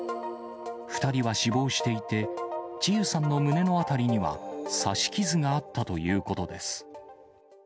２人は死亡していて、千結さんの胸の辺りには刺し傷があったということです。